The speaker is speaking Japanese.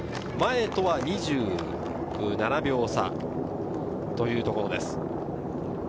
前とは２７秒差というところです。